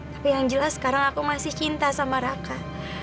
tapi yang jelas sekarang aku masih cinta sama raka